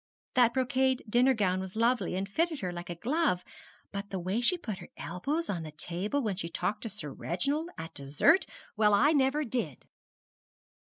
That brocade dinner gown was lovely, and fitted her like a glove; but the way she put her elbows on the table when she talked to Sir Reginald at dessert well, I never did!'